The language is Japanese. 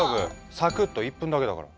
サクッと１分だけだから。